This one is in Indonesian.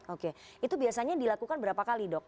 oke itu biasanya dilakukan berapa kali dok